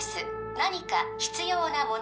何か必要なもの